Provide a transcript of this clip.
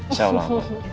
insya allah ma